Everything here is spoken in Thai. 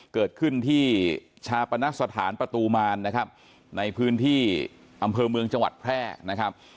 เกิดขึ้นที่ชาปนสถานประตูมารนะครับในพื้นที่อำเภอเมืองจังหวัดแพร่นะครับ